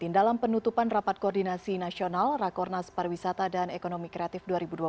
dalam penutupan rapat koordinasi nasional rakornas pariwisata dan ekonomi kreatif dua ribu dua puluh